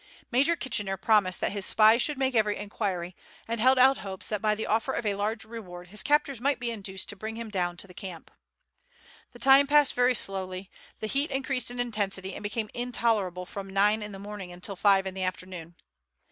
Major Kitchener promised that his spies should make every inquiry, and held out hopes that by the offer of a large reward his captors might be induced to bring him down to the camp. The time passed very slowly, the heat increased in intensity and became intolerable from nine in the morning until five in the afternoon.